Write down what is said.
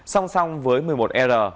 song song với một mươi một r